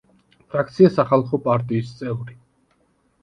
ფრაქცია „სახალხო პარტიის“ წევრი.